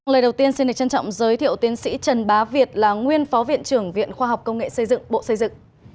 lời đầu tiên xin đề trân trọng giới thiệu tiến sĩ trần bá việt là nguyên phó viện trưởng viện khoa học công nghệ xây dựng bộ xây dựng